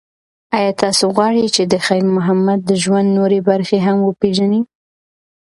ایا تاسو غواړئ چې د خیر محمد د ژوند نورې برخې هم وپیژنئ؟